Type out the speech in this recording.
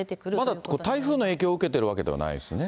まだ台風の影響を受けているわけではないですよね。